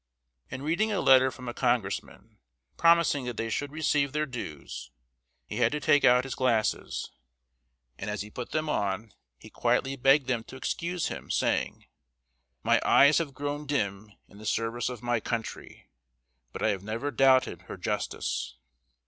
In reading a letter from a congressman, promising that they should receive their dues, he had to take out his glasses, and as he put them on he quietly begged them to excuse him, saying: "My eyes have grown dim in the service of my country, but I have never doubted her justice."